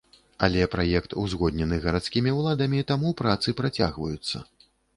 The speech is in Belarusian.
Але праект узгоднены гарадскімі ўладамі, таму працы працягваюцца.